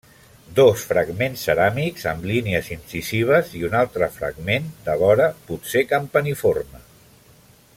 Dos fragments ceràmics amb línies incisives i un altre fragment de vora, potser campaniforme.